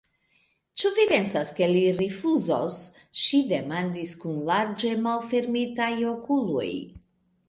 Ĉu vi pensas, ke li rifuzos? ŝi demandis kun larĝe malfermitaj okuloj.